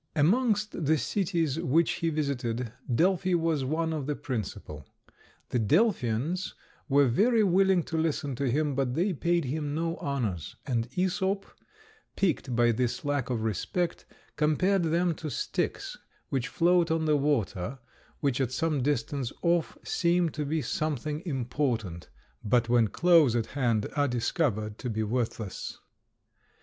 Amongst the cities which he visited, Delphi was one of the principal. The Delphians were very willing to listen to him, but they paid him no honours, and Æsop, piqued by this lack of respect, compared them to sticks which float on the water, which at some distance off seem to be something important, but when close at hand are discovered to be worthless.